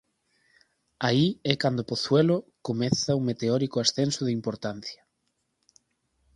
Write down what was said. Aí é cando Pozuelo comeza un meteórico ascenso de importancia.